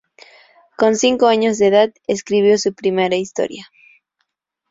Con cinco años de edad, escribió su primera historia.